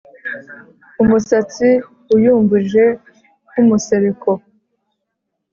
umusatsi uyumbuje nk’ umusereko